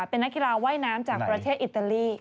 เป็นนักกีฬาว่ายน้ำจากประเทศอิตาลี